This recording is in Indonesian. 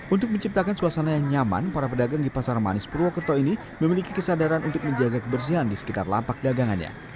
untuk menciptakan suasana yang nyaman para pedagang di pasar manis purwokerto ini memiliki kesadaran untuk menjaga kebersihan di sekitar lapak dagangannya